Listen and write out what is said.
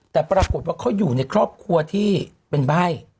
แต่ปรากฏว่าเขาอยู่ในครอบครัวที่เป็นใบ้